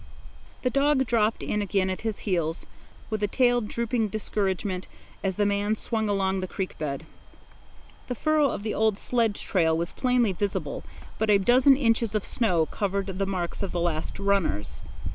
The dog dropped in again at his heels, with a tail drooping discouragement, as the man swung along the creek bed. The furrow of the old sled trail was plainly visible, but a dozen inches of snow covered the marks of the last runners.